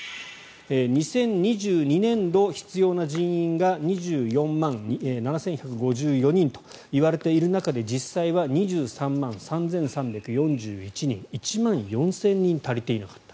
２０２２年度、必要な人員が２４万７１５４人と言われている中で実際は２３万３３４１人１万４０００人足りていなかった。